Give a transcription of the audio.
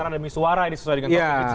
demi suara ini sesuai dengan kata kita ya